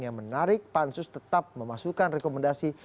yang menarik pansus tetap memasukkan rekomendasi